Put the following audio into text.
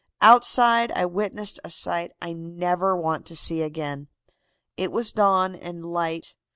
"Outside I witnessed a sight I never want to see again. It was dawn and light.